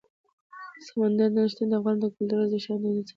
سمندر نه شتون د افغانانو له کلتوري ارزښتونو او دودونو سره پوره تړاو لري.